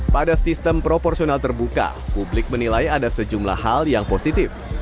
pada sistem proporsional terbuka publik menilai ada sejumlah hal yang positif